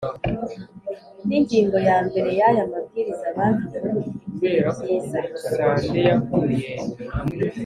n ingingo ya mbere y aya Mabwiriza Banki Nkuru ifite ibyiza